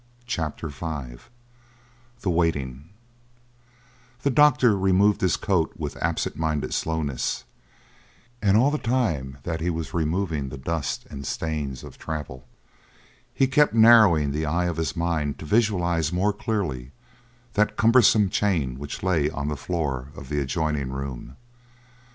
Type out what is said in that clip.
CHAPTER V THE WAITING The doctor removed his coat with absent minded slowness, and all the time that he was removing the dust and the stains of travel, he kept narrowing the eye of his mind to visualise more clearly that cumbersome chain which lay on the floor of the adjoining room.